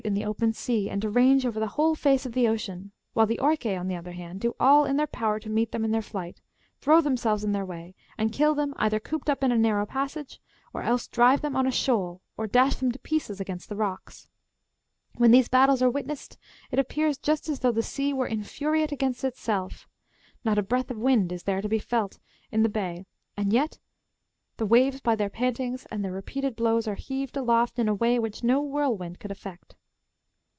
in the open sea and to range over the w'hole face of the ocean ; while the orcae, on the other hand, do all in their power to meet them in their flight, throw themselves in their way, and kill them either cooped up in a narrow passage, or else drive them on a shoal, or dash them to pieces against the rocks. When these battles are witnessed, it appears just as though the sea were infuriate against itself ; not a breath of wind is there to be felt in the bay, and yet the waves by their pantings and their repeated blows are heaved aloft in a way which no whirl wind could effect.